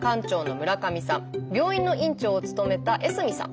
病院の院長を務めた江角さん。